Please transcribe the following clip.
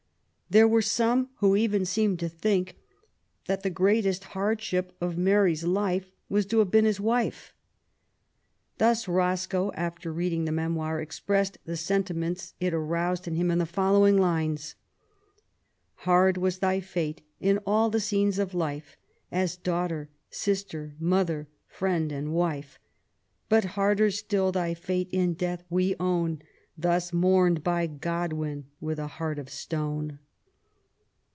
There were some who even seemed to think that the greatest hardship of Mary^s life was to have been his wife. Thus Roscoe, after reading the Memoir, expressed the sentiments it aroused in him in the following lines :— Hard was thy fate in all the scenes of life, As daughter, sister, mother, friend, and wife ; But harder still thy fate in death we own, Thus monmed by Qodwin with a heart of stone.